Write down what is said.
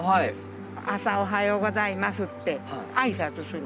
朝「おはようございます」って挨拶する。